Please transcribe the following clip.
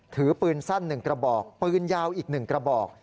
ถือปืนสั้นหนึ่งกระบอกปืนยาวอีกหนึ่งกระบอก